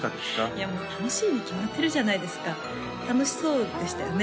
いやもう楽しいに決まってるじゃないですか楽しそうでしたよね？